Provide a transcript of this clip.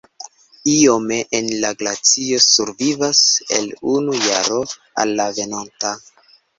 Iome el la glacio survivas el unu jaro al la venonta.